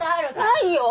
ないよ！